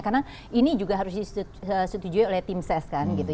karena ini juga harus disetujui oleh tim ses kan gitu